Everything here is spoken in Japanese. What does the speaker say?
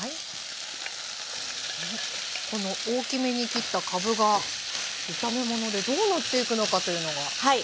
この大きめに切ったかぶが炒め物でどうなっていくのかというのが注目。